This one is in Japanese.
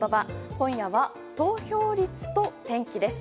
今夜は、投票率と天気です。